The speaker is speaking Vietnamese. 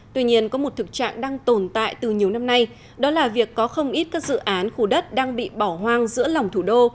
tuy nhiên có một thực trạng đang tồn tại từ nhiều năm nay đó là việc có không ít các dự án khu đất đang bị bỏ hoang giữa lòng thủ đô